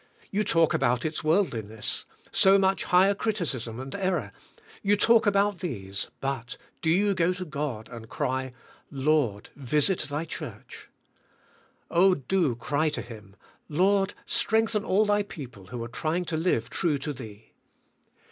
You talk about its worldliness, so much higher crit icism and error, you talk about these, but, do you PRAYi^R. lOl g 0 to God and cry, Lord, visit Thy cliurcli? Oh, do cry to Him, Lord streng then all Thy people who are trying to live true to Thee.